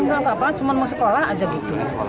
nggak apa apa cuma mau sekolah aja gitu